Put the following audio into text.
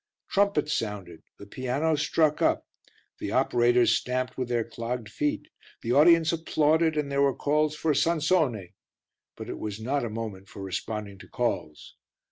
Trumpets sounded, the piano struck up, the operators stamped with their clogged feet, the audience applauded and there were calls for "Sansone," but it was not a moment for responding to calls.